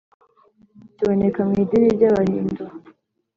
kiboneka mu idini ry’abahindu